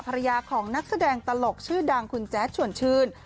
ภรรยาของนักแสดงตลกชื่อดังคุณแจ๊ดชวนชื่น